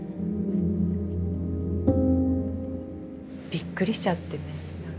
びっくりしちゃってね何か。